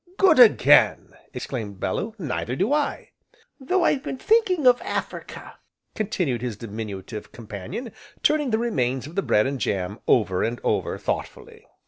"Good again!" exclaimed Bellew, "neither do I." "Though I've been thinking of Africa," continued his diminutive companion, turning the remain of the bread and jam over and over thoughtfully.